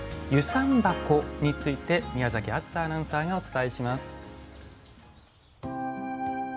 遊山箱について宮あずさアナウンサーがお伝えします。